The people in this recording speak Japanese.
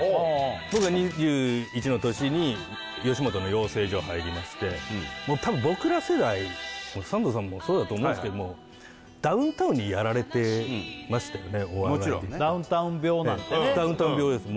僕が２１の年に吉本の養成所入りまして多分僕ら世代サンドさんもそうだと思うんですけどもダウンタウンにやられてましたよねお笑いってねダウンタウン病です